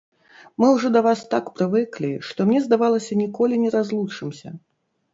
Мы ўжо да вас так прывыклі, што мне здавалася, ніколі не разлучымся.